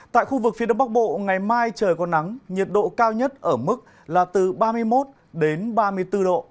tại khu vực phía đông bắc bộ ngày mai trời có nắng nhiệt độ cao nhất ở mức là từ ba mươi một đến ba mươi bốn độ